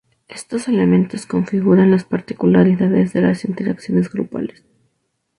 Estos elementos configuran las particularidades de las interacciones grupales.